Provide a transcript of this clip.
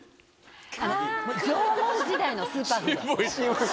縄文時代のスーパーフード。